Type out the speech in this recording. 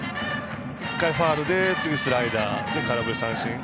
１回ファウルで次、スライダーで空振り三振。